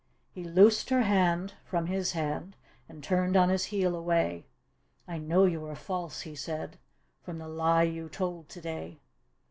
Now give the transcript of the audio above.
He loosed her hand from his handt And turned on his bccl away. " I know you are false," he said, " From the lie you told today."